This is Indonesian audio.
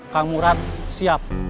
kang murad siap